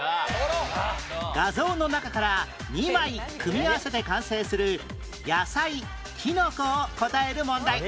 画像の中から２枚組み合わせて完成する野菜きのこを答える問題